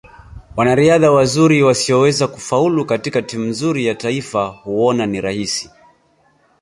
Wanariadha wazuri wasioweza kufaulu katika timu nzuri ya taifa huona ni rahisi